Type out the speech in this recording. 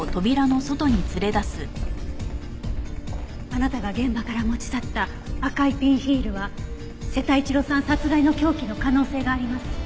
あなたが現場から持ち去った赤いピンヒールは瀬田一郎さん殺害の凶器の可能性があります。